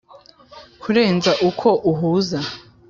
kurenza uko uhuza